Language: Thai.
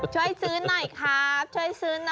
ช่วยซื้อหน่อยครับช่วยซื้อหน่อย